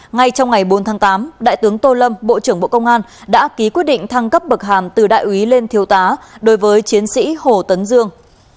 ngay trong ngày bốn tháng tám đại tướng tô lâm bộ trưởng bộ công an đã ký quyết định thăng cấp bậc hàm từ đại úy lên thiếu tá đối với chiến sĩ hồ tấn dương